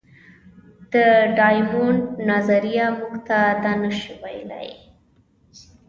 د ډایمونډ نظریه موږ ته دا نه شي ویلی.